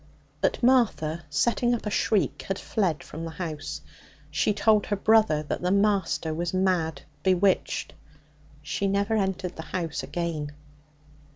But Martha, setting up a shriek, had fled from the house. She told her brother that the master was mad, bewitched. She never entered the house again.